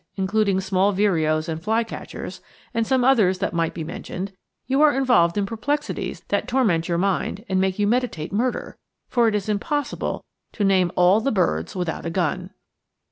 including small vireos and flycatchers, and some others that might be mentioned, you are involved in perplexities that torment your mind and make you meditate murder; for it is impossible to Name all the birds without a gun.